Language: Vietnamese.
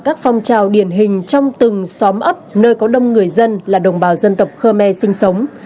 các phong trào điển hình trong từng xóm ấp nơi có đông người dân là đồng bào dân tộc khơ me sinh sống